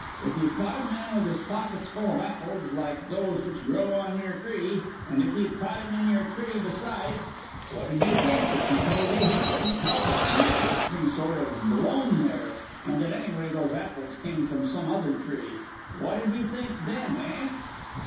If you caught a man with his pockets full of apples like those which grow on your tree, and if you caught him in your tree besides, what'd you think if he told you he couldn't help it, and had just been sort of blown there, and that anyway those apples came from some other tree what'd you think, eh?"